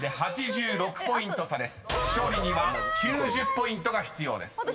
［勝利には９０ポイントが必要です］